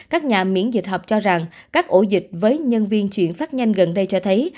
các nhà miễn dịch học cho rằng các ổ dịch với nhân viên chuyển phát nhanh gần đây cho thấy